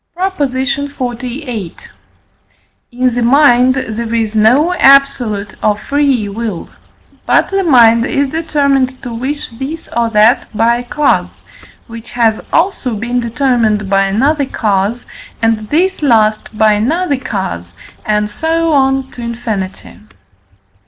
PROP. XLVIII. In the mind there is no absolute or free will; but the mind is determined to wish this or that by a cause, which has also been determined by another cause, and this last by another cause, and so on to infinity.